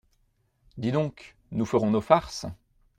Dis donc, nous ferons nos farces !